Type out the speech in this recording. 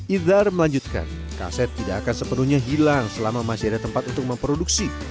idzar melanjutkan kaset tidak akan sepenuhnya hilang selama masih ada tempat untuk memproduksi